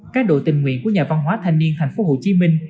các đội tình nguyện của nhà văn hóa thanh niên thành phố hồ chí minh